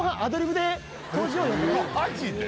マジで？